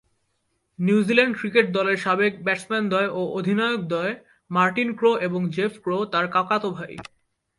New Zealand cricket দলের সাবেক ব্যাটসম্যানদ্বয় ও অধিনায়কদ্বয় মার্টিন ক্রো এবং জেফ ক্রো তার কাকাতো ভাই।